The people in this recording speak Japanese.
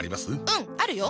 うんあるよ！